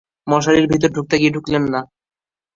মশারির ভেতর ঢুকতে গিয়ে ঢুকলেন না।